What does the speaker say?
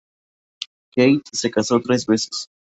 Keith se casó tres veces.